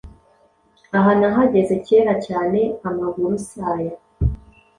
Aha nahageze cyera cyane amaguru si aya